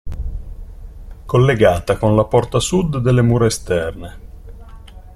Collegata con la porta Sud delle mura esterne.